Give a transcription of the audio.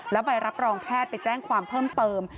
แล้วใบรับรองแพทย์ไปแจ้งความเพิ่มเติม